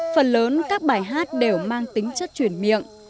phần lớn các bài hát đều mang tính chất chuyển miệng